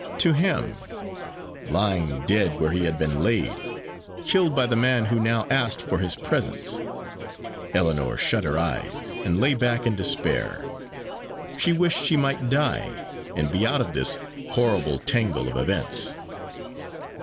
"To him!" lying dead where he had been laid; killed by the man who now asked for his presence. Ellinor shut her eyes, and lay back in despair. She wished she might die, and be out of this horrible tangle of events.